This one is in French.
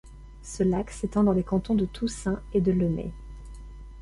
Ce lac s’étend dans les cantons de Toussaint et de Lemay.